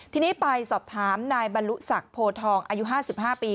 ทีนี้ไปสอบถามนายบรรลุศักดิ์โพทองอายุ๕๕ปี